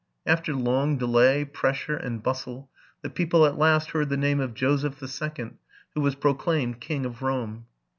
After long delay, pressure, and bustle, the people at last heard the name of Joseph the Second, who was proclaimed King of Rome.